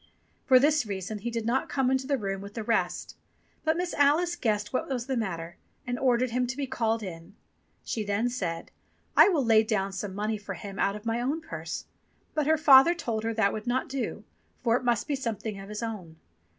For this reason he did not come into the room with the rest. But Miss Alice guessed what was the matter, and ordered him to be called in. She then said, "I will lay down some money for him out of my own purse"; but her father told her that would not do, for it must be something of his own.